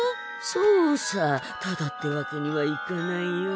そうさただってわけにはいかないよ。